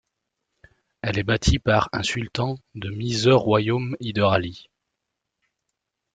Elle est bâtie par, un sultan de Mysore Royaume Hyder Ali.